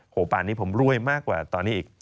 โอ้โหป่านนี้ผมรวยมากกว่าตอนนี้อีก